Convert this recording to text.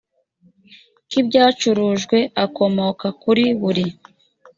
k ibyacurujwe akomoka kuri buri